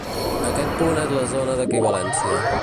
Aquest punt és la zona d'equivalència.